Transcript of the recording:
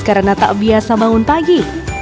karena tak biasa bangun pagi